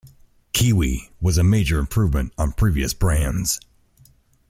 Kiwi was a major improvement on previous brands.